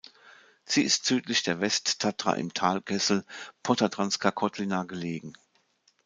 Sie ist südlich der Westtatra im Talkessel Podtatranská kotlina gelegen.